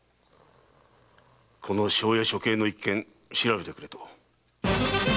この庄屋処刑の一件調べてくれと。